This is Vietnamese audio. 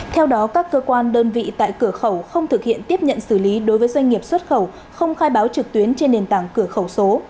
theo đó các cơ quan đơn vị tại cửa khẩu không thực hiện tiếp nhận xử lý đối với doanh nghiệp xuất khẩu không khai báo trực tuyến trên nền tảng cửa khẩu số